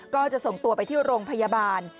ก็จะส่งตัวไปที่โรงพยาบาล